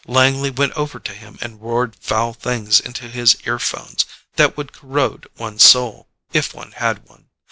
Langley went over to him and roared foul things into his earphones that would corrode one's soul, if one had one.